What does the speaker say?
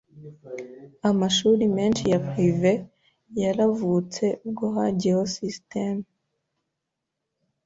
Amashuli menshi ya prive yaravutse ubwo hagiyeho system